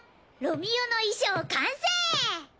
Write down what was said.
ロミ代の衣装完成！